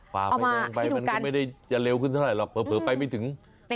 ปาไปน้องไปไม่ได้จะเร็วขึ้นหรอกเผลอไปไม่ถึง